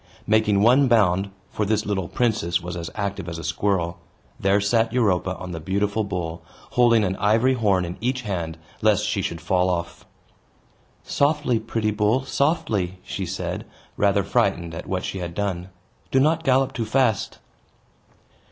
Making one bound (for this little princess was as active as a squirrel), there sat Europa on the beautiful bull, holding an ivory horn in each hand, lest she should fall off. "Softly, pretty bull, softly!" she said, rather frightened at what she had done. "Do not gallop too fast."